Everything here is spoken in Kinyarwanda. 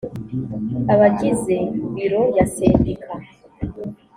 abagize biro ya sendika